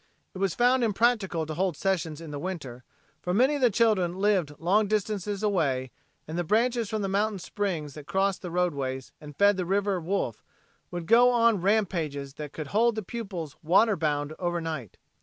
It was found impractical to hold sessions in the winter, for many of the children lived long distances away and the branches from the mountain springs that crossed the roadways and fed the River Wolf, would go on rampages that could hold the pupils water bound over night.